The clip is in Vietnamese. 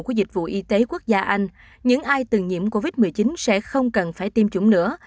của dịch vụ y tế quốc gia anh những ai từng nhiễm covid một mươi chín sẽ không cần phải tiêm chủng nữa